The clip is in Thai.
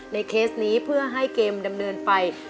เคสนี้เพื่อให้เกมดำเนินไป